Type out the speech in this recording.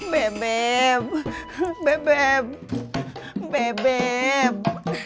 bebek bebek bebek